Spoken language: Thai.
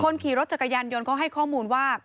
ขี่รถจักรยานยนต์เขาให้ข้อมูลว่า